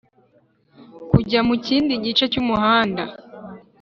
kujya mu kindi gice cy'umuhanda.